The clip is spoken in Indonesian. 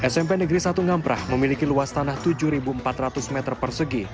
smp negeri satu ngamprah memiliki luas tanah tujuh empat ratus meter persegi